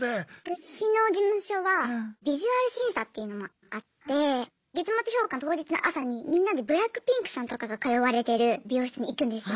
私の事務所はビジュアル審査っていうのもあって月末評価の当日の朝にみんなでＢＬＡＣＫＰＩＮＫさんとかが通われてる美容室に行くんですよ。